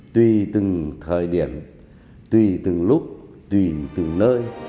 tùy từng thời điểm tùy từng lúc tùy từng nơi